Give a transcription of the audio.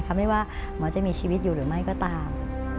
ไม่ว่าหมอจะมีชีวิตอยู่หรือไม่ก็ตาม